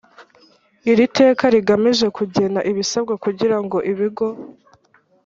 Iri teka rigamije kugena ibisabwa kugira ngo ibigo